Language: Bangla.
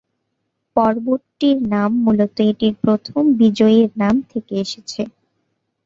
পর্বতটির নাম মূলত এটির প্রথম বিজয়ীর নাম থেকে এসেছে।